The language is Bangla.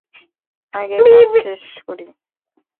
আগে কাজ শেষ করি।